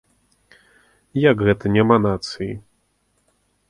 Як гэта няма нацыі?!